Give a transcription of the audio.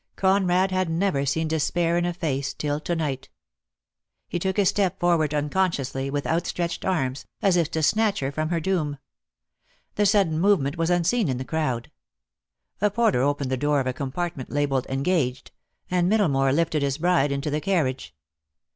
Conrad had never seen despair in a face till to night. He took a step forward unconsciously, with outstretched arms, as if to snatch her from her doom. The sudden move ment was unseen in the crowd. A porter opened the door of a compartment labelled "Engaged," and Middlemore lifted his bride into the carriage.